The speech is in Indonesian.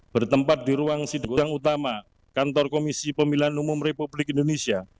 bertempat di ruang sidang utama kantor komisi pemilihan umum republik indonesia